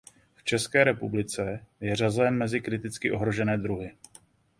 V České republice je řazen mezi kriticky ohrožené druhy.